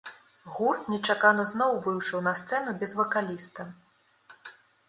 Гурт нечакана зноў выйшаў на сцэну без вакаліста.